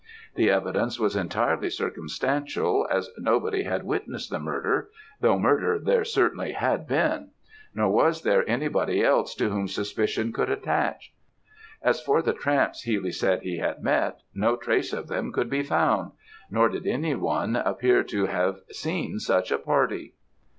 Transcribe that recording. The evidence was entirely circumstantial, as nobody had witnessed the murder, though murder there certainly had been; nor was there anybody else to whom suspicion could attach. As for the tramps Healy said he had met, no trace of them could be found, nor did anyone appear to have seen such a party.